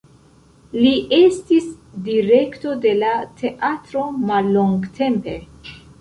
Li estis direkto de la teatro mallongtempe.